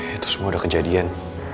itu semua udah kejadian